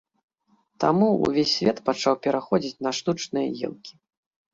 Таму ўвесь свет пачаў пераходзіць на штучныя елкі.